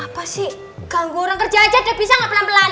hai apa sih ganggu orang kerja aja udah bisa ngabelan belan